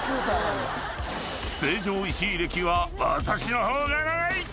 ［成城石井歴は私の方が長い！］